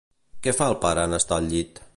Què fa el pare en estar al llit?